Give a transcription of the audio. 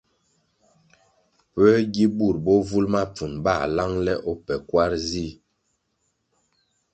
Puē gi bur bovul mapfunʼ ba lang le o pa kwar zih?